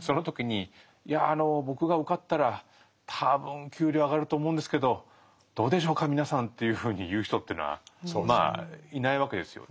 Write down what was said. その時に「いや僕が受かったら多分給料上がると思うんですけどどうでしょうか皆さん」というふうに言う人というのはいないわけですよ。